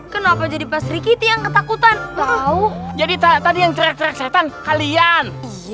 kenapa jadi pastrikiti yang ketakutan tahu jadi tak tadi yang teriak setan kalian